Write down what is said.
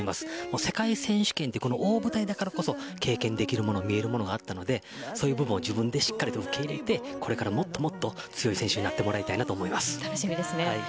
世界選手権という大舞台だからこそ経験できるもの見えるものがあったので最後は自分でしっかりと受け入れてこれからもっともっと強い選手になってほしいです。